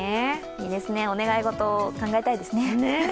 いいですね、お願い事を考えたいですね。